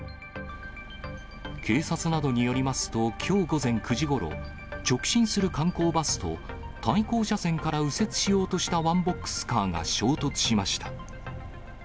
警察などによりますと、きょう午前９時ごろ、直進する観光バスと対向車線から右折しようとしたワンボックスカーが衝突しました。